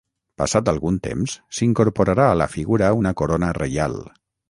Passat algun temps s'incorporarà a la figura una corona reial.